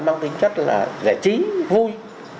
mang tính chất là giải trí vui